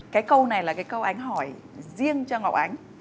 cái câu này là cái câu ánh hỏi riêng cho ngọc ánh